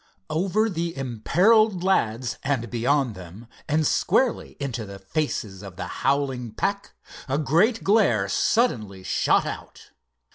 Over the imperilled lads and beyond them, and squarely into the faces of the howling pack, a great glare suddenly shot out.